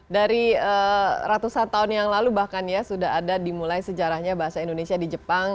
dari ratusan tahun yang lalu bahkan ya sudah ada dimulai sejarahnya bahasa indonesia di jepang